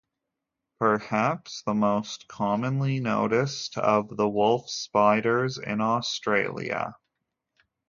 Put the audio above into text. Perhaps the most commonly noticed of the wolf spiders in Australia.